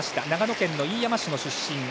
長野県の飯山市出身。